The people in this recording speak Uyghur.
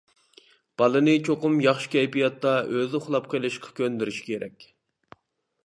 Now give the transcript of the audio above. بالىنى چوقۇم ياخشى كەيپىياتتا ئۆزى ئۇخلاپ قېلىشقا كۆندۈرۈش كېرەك.